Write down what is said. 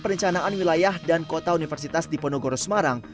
perencanaan wilayah dan kota universitas diponegoro semarang